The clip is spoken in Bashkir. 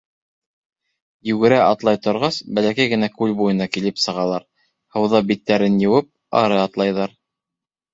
Йүгерә-атлай торғас, бәләкәй генә күл буйына килеп сығалар, һыуҙа биттәрен йыуып, ары атлайҙар.